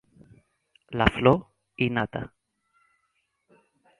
La flor i nata.